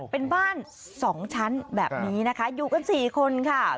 เป็นบ้าน๒ชั้นแบบนี้นะคะอยู่กัน๔คนค่ะ